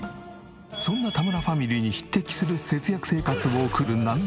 そんな田村ファミリーに匹敵する節約生活を送るなん